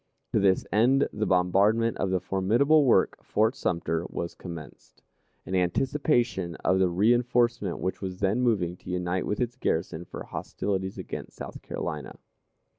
To this end the bombardment of the formidable work, Fort Sumter, was commenced, in anticipation of the reënforcement which was then moving to unite with its garrison for hostilities against South Carolina.